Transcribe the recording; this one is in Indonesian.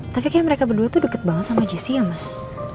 tapi kayak mereka berdua tuh deket banget sama jessi ya mas